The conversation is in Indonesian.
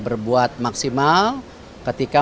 berbuat maksimal ketika